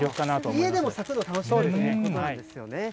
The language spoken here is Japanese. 家でも咲くの楽しめるということなんですよね。